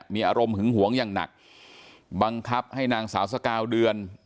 มีอารมณ์หึงหวงอย่างหนักบังคับให้นางสาวสกาวเดือน